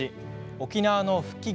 沖縄の復帰